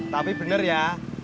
tapi bener ya